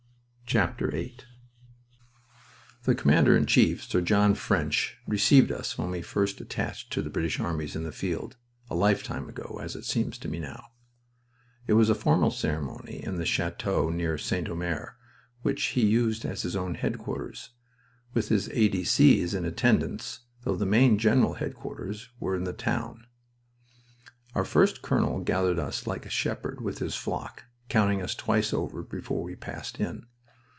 VIII The Commander in Chief Sir John French received us when we were first attached to the British armies in the field a lifetime ago, as it seems to me now. It was a formal ceremony in the chateau near St. Omer, which he used as his own headquarters, with his A. D. C.'s in attendance, though the main general headquarters were in the town. Our first colonel gathered us like a shepherd with his flock, counting us twice over before we passed in.